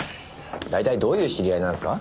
大体どういう知り合いなんですか？